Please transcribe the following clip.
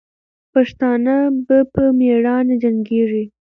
پښتانه به په میړانې جنګېږي.